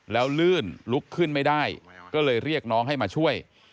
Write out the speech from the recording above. แล้วลื่นลุกขึ้นไม่ได้ก็เลยเรียกน้องให้มาช่วย